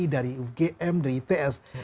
dari ugm dari its